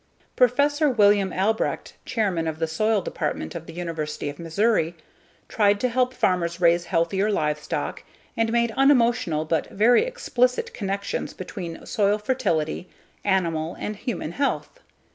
Professor William Albrecht, Chairman of the Soil Department of the University of Missouri, tried to help farmers raise healthier livestock and made unemotional but very explicit connections between soil fertility, animal, and human health.